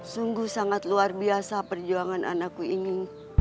sungguh sangat luar biasa perjuangan anakku ini